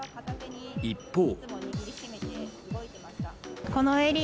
一方。